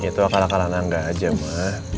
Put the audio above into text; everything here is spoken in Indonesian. ya tuh akal akal anak anak aja ma